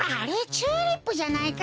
チューリップじゃないか。